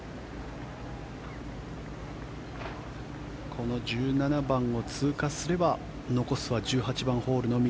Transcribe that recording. この１７番を通過すれば残すは１８番ホールのみ。